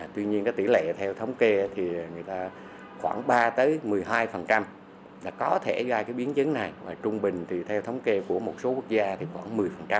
tuy nhiên cái tỷ lệ theo thống kê thì người ta khoảng ba một mươi hai là có thể gây cái biến chứng này và trung bình thì theo thống kê của một số quốc gia thì khoảng một mươi